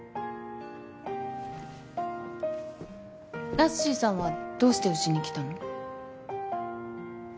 ナッシーさんはどうしてうちに来たの？